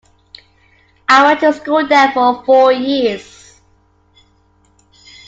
I went to school there for four years.